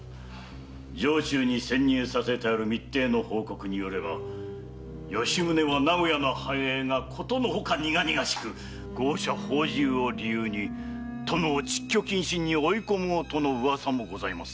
城中に潜入させてある密偵の報告によれば吉宗は名古屋の繁栄がことのほか苦々しく豪奢放縦を理由に殿を蟄居謹慎に追い込もうとの噂もございます。